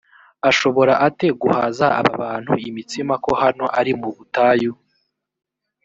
ashobora ate guhaza aba bantu imitsima ko hano ari mu butayu‽